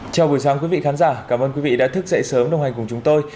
chào buổi sáng quý vị khán giả cảm ơn quý vị đã thức dậy sớm đồng hành cùng chúng tôi